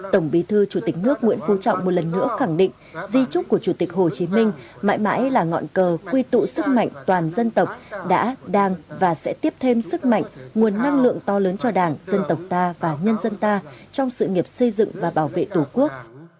tổng bí thư chủ tịch nước nguyễn phú trọng một lần nữa khẳng định di trúc của chủ tịch hồ chí minh mãi mãi là ngọn cờ quy tụ sức mạnh toàn dân tộc đã đang và sẽ tiếp thêm sức mạnh nguồn năng lượng to lớn cho đảng dân tộc ta và nhân dân ta trong sự nghiệp xây dựng và bảo vệ tổ quốc